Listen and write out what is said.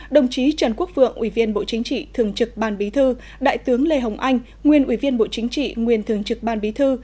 đồng chí trần quốc vượng ủy viên bộ chính trị thường trực ban bí thư đại tướng lê hồng anh nguyên ủy viên bộ chính trị nguyên thường trực ban bí thư